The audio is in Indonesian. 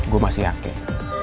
gue masih yakin